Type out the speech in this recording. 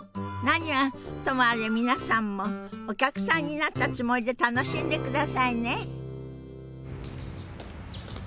何はともあれ皆さんもお客さんになったつもりで楽しんでくださいね。